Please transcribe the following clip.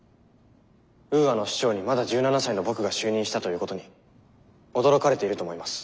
ウーアの首長にまだ１７才の僕が就任したということに驚かれていると思います。